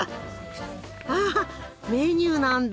あメニューなんだ。